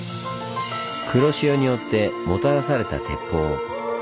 黒潮によってもたらされた鉄砲。